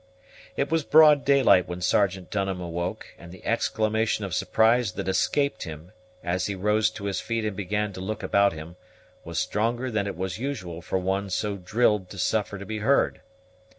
It was broad daylight when Sergeant Dunham awoke, and the exclamation of surprise that escaped him, as he rose to his feet and began to look about him, was stronger than it was usual for one so drilled to suffer to be heard.